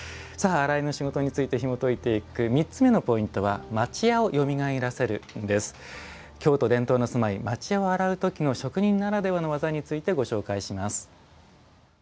「洗いの仕事」についてひもといていく３つ目のポイントは京都伝統の住まい町家を洗う時の職人ならではの技についてご紹介します。